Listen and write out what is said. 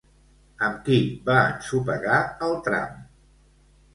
Amb qui va ensopegar al tram?